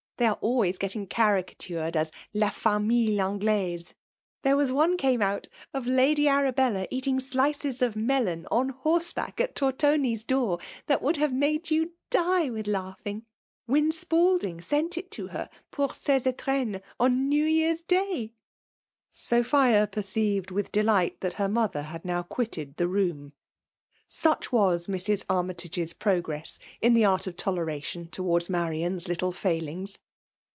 Thejr ai^ always getting caricatured as La JamUle Anglme, There was one came out of liady Arabella eating slices of melon on horseback at Tortoni's dooxi that woidd have mado you die with laughing. Wyn Spalding sent it to heiv pour sea eiretmes, on New Year's day." Sophia perceived with delight that hef XQ/pther hadnow quitted the room* Such was MrsiAnnytage's progress in the art of tolerav tion .towards Marian's little failings.